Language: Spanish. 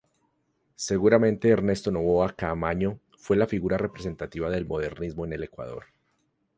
Seguramente Ernesto Noboa Caamaño fue la figura representativa del Modernismo en el Ecuador.